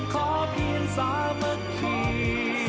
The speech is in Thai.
ขอเพียงสามัคคี